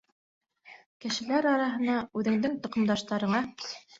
Кешеләр араһына — үҙеңдең тоҡомдаштарыңа...